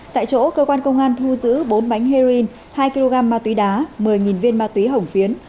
tại chỗ cơ quan công an thu giữ bốn bánh heroin hai kg ma túy đá một mươi viên ma túy hổng phiến